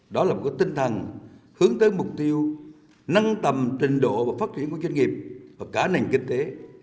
đó là một tinh thần hướng tới mục tiêu nâng tầm trình độ và phát triển của doanh nghiệp và cả nền kinh tế